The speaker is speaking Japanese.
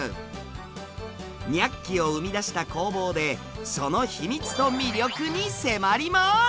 「ニャッキ！」を生み出した工房でその秘密と魅力に迫ります！